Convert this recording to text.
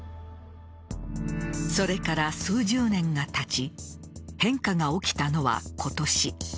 それから数十年がたち変化が起きたのは今年。